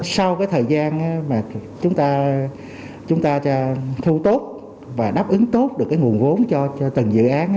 sau thời gian chúng ta thu tốt và đáp ứng tốt được nguồn vốn cho tầng dự án